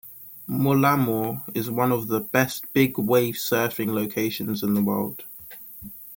Mullaghmore is one of the best big wave surfing locations in the world.